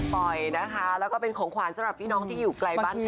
ปล่อยนะคะแล้วก็เป็นของขวานสำหรับพี่น้องที่อยู่ไกลบ้านไทย